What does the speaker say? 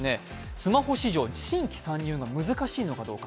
スマホ市場、新規参入が難しいのかどうか。